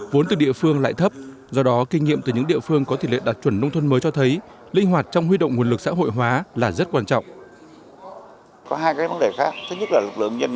vốn từ địa phương lại thấp do đó kinh nghiệm từ những địa phương có thị lệ đạt chuẩn nông thôn mới cho thấy linh hoạt trong huy động nguồn lực xã hội hóa là rất quan trọng